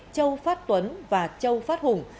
châu phát tuấn và châu phát hùng